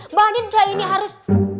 mba andin udah ini harus